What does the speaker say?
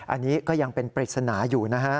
อันนี้ก็ยังเป็นปริศนาอยู่นะฮะ